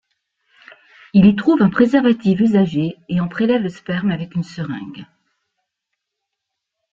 Il y trouve un préservatif usagé, et en prélève le sperme avec une seringue.